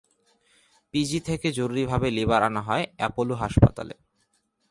PG থেকে জরুরিভাবে liver আনা হয় অ্যাপোলো হাসপাতালে।